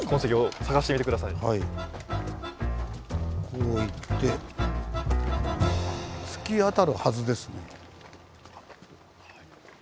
こう行って突き当たるはずですね。